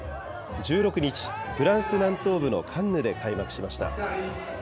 １６日、フランス南東部のカンヌで開幕しました。